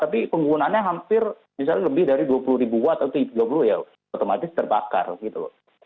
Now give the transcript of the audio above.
tapi penggunaannya hampir misalnya lebih dari dua puluh ribu watt atau dua puluh ya otomatis terbakar gitu loh